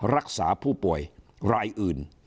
รักษาผู้ป่วยรายอื่น